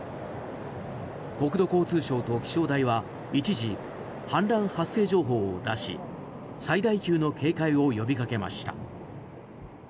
国土交通省と気象台は一時氾濫発生情報を出し最大級の警戒を呼びかけました。